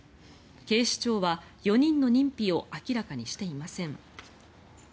警視庁は４人の認否を明らかにしていません。